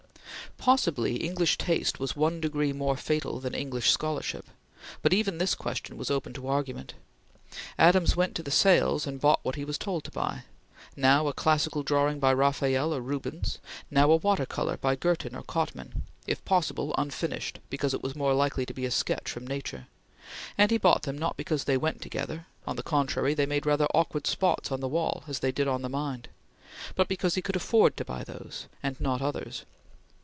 Possibly English taste was one degree more fatal than English scholarship, but even this question was open to argument. Adams went to the sales and bought what he was told to buy; now a classical drawing by Rafael or Rubens; now a water color by Girtin or Cotman, if possible unfinished because it was more likely to be a sketch from nature; and he bought them not because they went together on the contrary, they made rather awkward spots on the wall as they did on the mind but because he could afford to buy those, and not others.